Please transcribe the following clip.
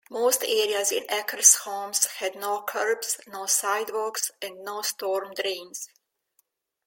Most areas in Acres Homes had no curbs, no sidewalks, and no storm drains.